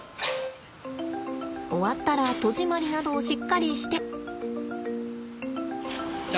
終わったら戸締まりなどをしっかりして。